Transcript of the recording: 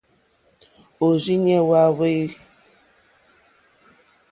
Òrzìɲɛ́ hwá áhwè.